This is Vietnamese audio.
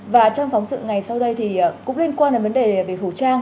và trong phóng sự ngày sau đây thì cũng liên quan đến vấn đề về khẩu trang